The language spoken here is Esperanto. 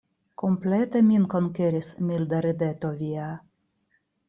Komplete min konkeris milda rideto via.